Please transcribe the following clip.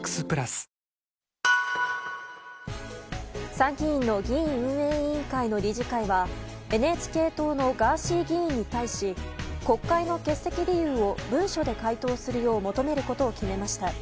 参議院の議院運営委員会の理事会はＮＨＫ党のガーシー議員に対し国会の欠席理由を文書で回答するよう求めることを決めました。